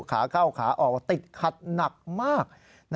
ขาเข้าขาออกติดขัดหนักมาก